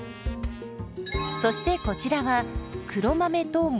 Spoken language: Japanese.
そしてこちらは黒豆ともち。